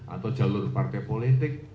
atau jalur partai politik